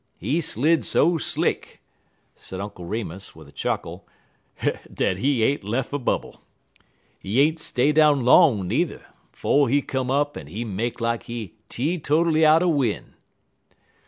He slid so slick," said Uncle Remus, with a chuckle, "dat he ain't lef' a bubble. He ain't stay down long, n'er, 'fo' he come up en he make lak he teetotally out er win'.